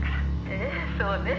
「ええそうね」